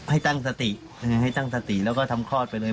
ให้ตั้งสติให้ตั้งสติแล้วก็ทำคลอดไปเลย